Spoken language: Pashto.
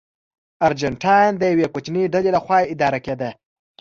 ارجنټاین د یوې کوچنۍ ډلې لخوا اداره کېده.